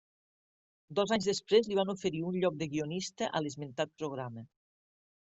Dos anys després li van oferir un lloc de guionista a l'esmentat programa.